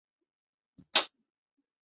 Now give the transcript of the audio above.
不对人员采取隔离措施